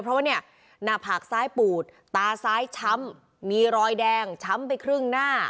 เพราะว่าเนี่ยหน้าผากซ้ายปูดตาซ้ายช้ำมีรอยแดงช้ำไปครึ่งหน้า